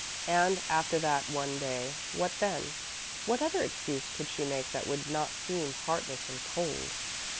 And, after that one day, what then? What other excuse could she make that would not seem heartless and cold?